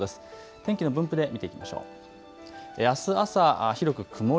天気分布で見ていきましょう。